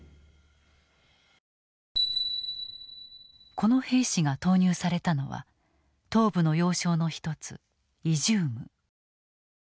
この兵士が投入されたのは東部の要衝の一つイジューム。